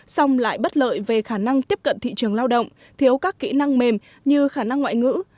xong lại bất lợi về khả năng tiếp cận thị trường lao động thiếu các kỹ năng mềm như khả năng ngoại ngữ